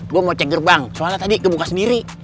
gue mau cek gerbang soalnya tadi kebuka sendiri